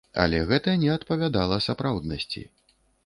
Але гэта не адпавядала сапраўднасці.